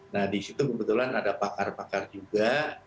nah di situ kebetulan ada pakar pakar juga